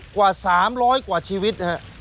กว่า๓๐๐กว่าชีวิต